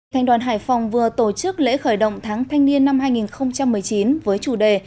thành đoàn hải phòng vừa tổ chức lễ khởi động tháng thanh niên năm hai nghìn một mươi chín với chủ đề